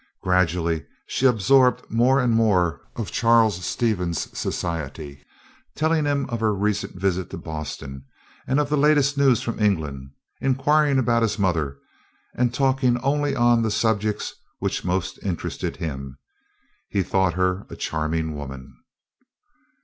Gradually she absorbed more and more of Charles Stevens' society, telling him of her recent visit to Boston, and of the latest news from England, inquiring about his mother, and talking only on the subjects which most interested him. He thought her a charming woman.